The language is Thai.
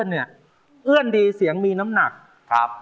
ตรงนี้เลยอุดยอดครับ